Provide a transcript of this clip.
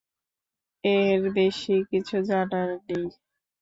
এর বেশি কিছু জানার নেই।